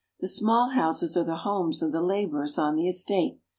The small houses are the homes of the laborers on the estate.